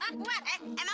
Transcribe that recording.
aduh aduh aduh